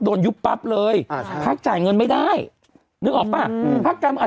ยุบปั๊บเลยอ่าใช่พักจ่ายเงินไม่ได้นึกออกป่ะอืมพักการเมือง